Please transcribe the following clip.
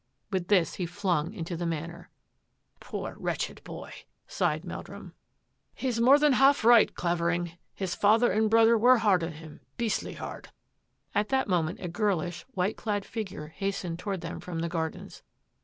With this, he flung into the Manor. " Poor, wretched boy !" sighed Meldrum. " He 124 THAT AFFAIR AT THE MANOR is more than half right, Clavering; his father and brother were hard on him, beastly hard." At that moment a girlish, white clad figure hastened toward them from the gardens.